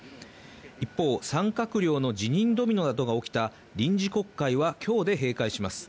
一方、３閣僚の辞任ドミノなどが起きた臨時国会は今日で閉会します。